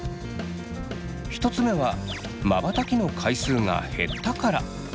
１つ目はまばたきの回数が減ったから。